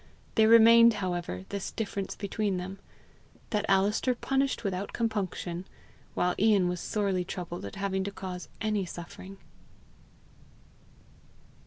There remained, however, this difference between them that Alister punished without compunction, while Ian was sorely troubled at having to cause any suffering.